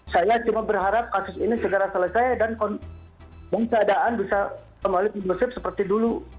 saya cuma berharap kasus ini segera selesai dan keadaan bisa kembali berdusif seperti dulu